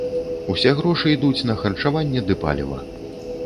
Усе грошы ідуць на харчаванне ды паліва.